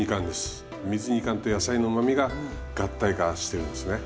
水煮缶と野菜のうまみが合体化してるんですね。